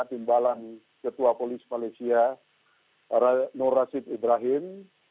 timbalan ketua polis malaysia nur rasid ibrahim